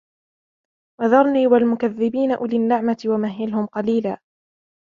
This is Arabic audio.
وَذَرْنِي وَالْمُكَذِّبِينَ أُولِي النَّعْمَةِ وَمَهِّلْهُمْ قَلِيلًا